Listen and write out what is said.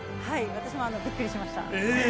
私もびっくりしました。